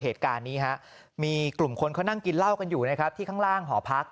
เหตุการณ์นี้ฮะมีกลุ่มคนเขานั่งกินเหล้ากันอยู่นะครับที่ข้างล่างหอพัก